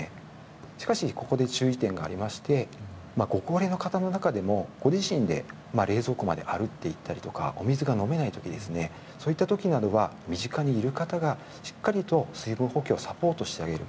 しかしここで注意点がありましてご高齢の方の中でもご自身で冷蔵庫まで歩いて行ったりお水が飲めないとかそういった時などは身近にいる方がしっかりと水分補給をサポートしてあげる。